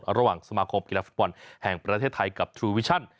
หลังสมาคมกีฬาฝุ่นปันแห่งประเทศไทยกับทรูวิชัน